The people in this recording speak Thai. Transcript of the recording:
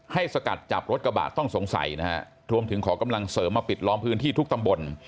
สกัดจับรถกระบะต้องสงสัยนะฮะรวมถึงขอกำลังเสริมมาปิดล้อมพื้นที่ทุกตำบล